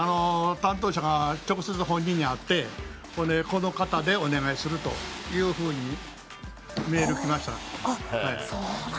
担当者が直接、本人に会ってこの型でお願いするというふうにメールが来ました。